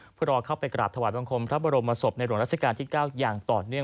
เพื่อรอเข้าไปกราบถวายบังคมพระบรมศพในหลวงราชการที่๙อย่างต่อเนื่อง